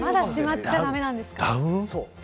まだしまっちゃ駄目なんですか。